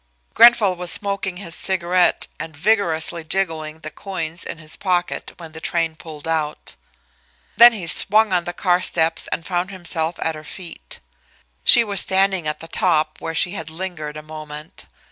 Grenfall was smoking his cigarette and vigorously jingling the coins in his pocket when the train pulled out. Then he swung on the car steps and found himself at her feet. She was standing at the top, where she had lingered a moment.